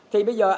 thì bây giờ